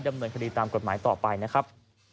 ดำเนินคดีตามกฎหมายต่อไปนะครับ